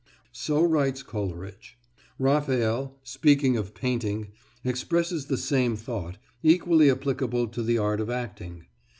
So writes Coleridge. Raphael, speaking of painting, expresses the same thought, equally applicable to the art of acting.